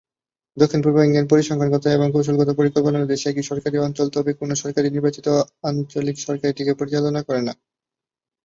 দক্ষিণ-পূর্ব ইংল্যান্ড পরিসংখ্যানগত এবং কৌশলগত পরিকল্পনার উদ্দেশ্যে একটি সরকারী অঞ্চল, তবে কোনও সরাসরি নির্বাচিত আঞ্চলিক সরকার এটিকে পরিচালনা করে না।